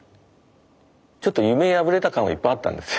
ちょっと夢破れた感はいっぱいあったんですよ。